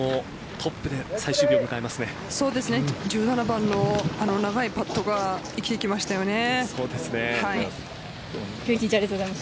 １７番の長いパットが生きてきましたよね。